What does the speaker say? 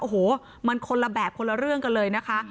โอ้โหมันคนละแบบคนละเรื่องกันเลยนะคะ